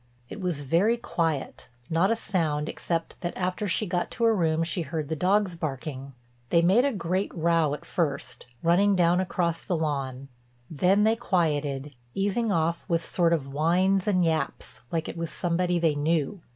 It was very quiet, not a sound, except that after she got to her room she heard the dogs barking. They made a great row at first, running down across the lawn, then they quieted, "easing off with sort of whines and yaps, like it was somebody they knew."